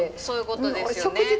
そういうことですよね。